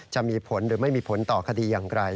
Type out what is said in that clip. จะมีผลหรือไม่มีผลต่อคดีอย่างไร